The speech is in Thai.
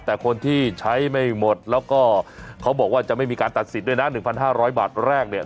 แต่คนที่ใช้ไม่หมดแล้วก็เขาบอกว่าจะไม่มีการตัดสิทธิ์ด้วยนะ๑๕๐๐บาทแรกเนี่ย